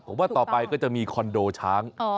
ผมว่าต่อไปก็จะมีคอนโดช้าง